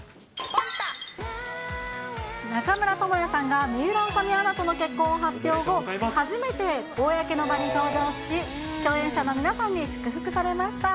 中村倫也さんが水卜麻美アナとの結婚を発表後、初めて公の場に登場し、共演者の皆さんに祝福されました。